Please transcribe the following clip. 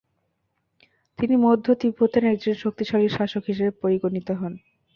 তিনি মধ্য তিব্বতের একজন শক্তিশালী শাসক হিসেবে পরিগণিত হন।